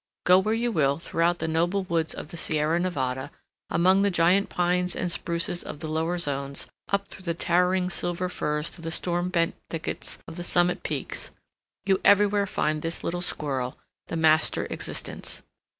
Go where you will throughout the noble woods of the Sierra Nevada, among the giant pines and spruces of the lower zones, up through the towering Silver Firs to the storm bent thickets of the summit peaks, you everywhere find this little squirrel the master existence.